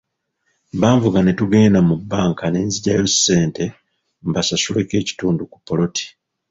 Banvuga ne tugenda mu bbanka ne nzigyayo ssente mbasasuleko ekitundu ku ppoloti.